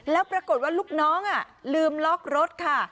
แล้วปรากฏว่าลูกน้องลืมล็อกรถค่ะ